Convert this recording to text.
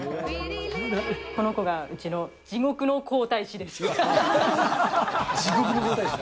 この子がうちの地獄の皇太子地獄の皇太子。